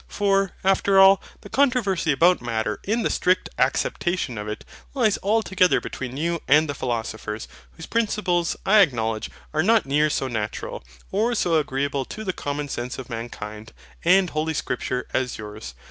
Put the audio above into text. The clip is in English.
For, after all, the controversy about MATTER in the strict acceptation of it, lies altogether between you and the philosophers: whose principles, I acknowledge, are not near so natural, or so agreeable to the common sense of mankind, and Holy Scripture, as yours.